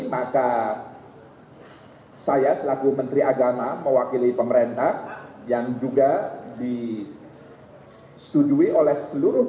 maka saya selaku menteri agama mewakili pemerintah yang juga disetujui oleh seluruh